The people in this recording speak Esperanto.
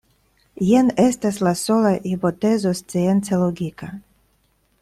Jen estas la sola hipotezo science logika.